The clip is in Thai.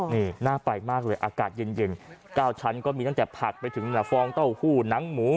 นี่น่าไปมากเลยอากาศเย็น๙ชั้นก็มีตั้งแต่ผักไปถึงฟองเต้าหู้หนังหมู